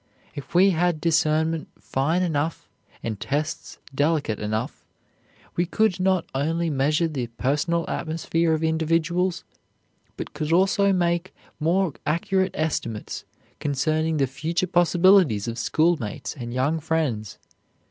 If we had discernment fine enough and tests delicate enough, we could not only measure the personal atmosphere of individuals, but could also make more accurate estimates concerning the future possibilities of schoolmates and young friends.